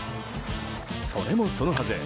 それもそのはず。